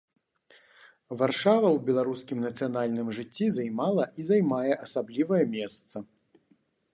Варшава ў беларускім нацыянальным жыцці займала і займае асаблівае месца.